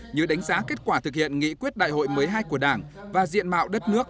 như đánh giá kết quả thực hiện nghị quyết đại hội một mươi hai của đảng và diện mạo đất nước